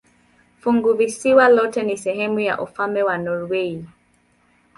Funguvisiwa lote ni sehemu ya ufalme wa Norwei.